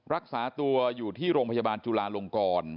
รักษาตัวอยู่ที่โรงพยาบาลจุลาลงกร